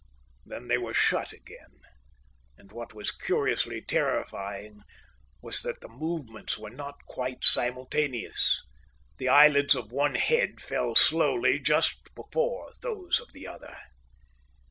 Then they were shut again, and what was curiously terrifying was that the movements were not quite simultaneous; the eyelids of one head fell slowly just before those of the other.